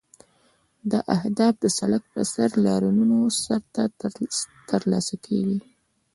دا اهداف د سړک پر سر لاریونونو سره ترلاسه کیږي.